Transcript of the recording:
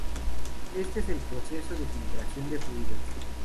Este es el proceso de filtración de fluidos.